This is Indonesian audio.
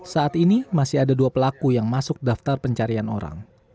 saat ini masih ada dua pelaku yang masuk daftar pencarian orang